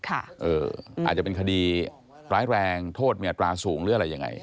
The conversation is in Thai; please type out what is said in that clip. อาจจะเป็นคดีร้ายแรงโทษมีอัตราสูงหรืออะไรยังไง